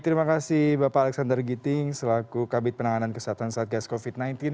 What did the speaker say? terima kasih bapak alexander giting selaku kabinet penanganan kesehatan saat gas covid sembilan belas